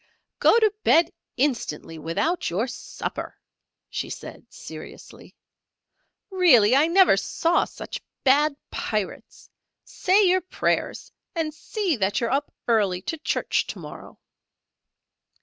"Go to bed instantly without your supper," she said, seriously. "Really, I never saw such bad pirates. Say your prayers, and see that you're up early to church to morrow."